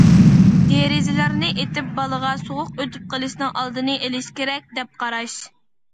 دېرىزىلەرنى ئېتىپ بالىغا سوغۇق ئۆتۈپ قېلىشنىڭ ئالدىنى ئېلىش كېرەك، دەپ قاراش.